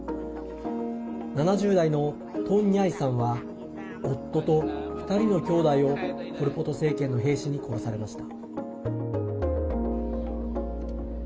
７０代のトン・ニャイさんは夫と２人の兄弟をポル・ポト政権の兵士に殺されました。